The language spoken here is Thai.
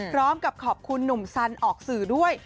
พร้อมกับขอบคุณหนุ่มสันออกสื่อด้วย